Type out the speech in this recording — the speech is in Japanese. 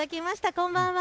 こんばんは。